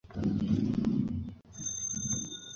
আমি আরাম করছি।